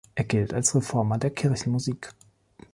Er gilt als ein Reformer der Kirchenmusik.